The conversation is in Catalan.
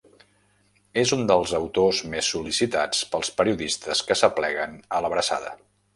És un dels autors més sol·licitats pels periodistes que s'apleguen a l'Abraçada.